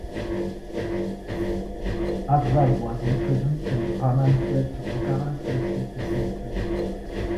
Afzal was imprisoned and Rahman fled to Bukhara to escape the same fate.